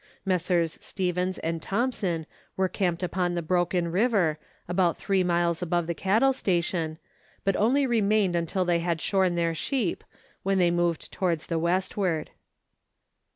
Messrs. Stevens and Thomson were camped upon the Broken River, about three miles above the cattle station, but only remained till they had shorn their sheep, when they moved towards the westward.